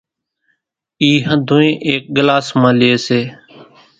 اِي ۿنڌونئين ايڪ ڳلاس مان لي سي،